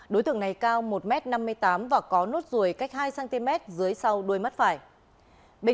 đối tượng này cao một m năm mươi tám và có nốt ruồi cách hai cm dưới sau đuôi mắt phải